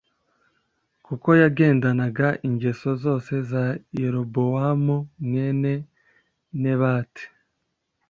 kuko yagendanaga ingeso zose za Yerobowamu mwene Nebati